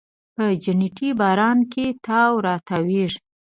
په جنتي باران کې تاو راتاویږې